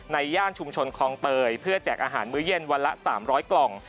ย่านชุมชนคลองเตยเพื่อแจกอาหารมื้อเย็นวันละ๓๐๐กล่อง